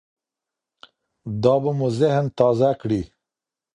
دا به مو ذهن تازه کړي.